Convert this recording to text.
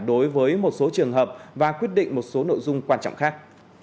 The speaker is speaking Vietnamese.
đối với một số trường hợp và quyết định một số nội dung quan trọng khác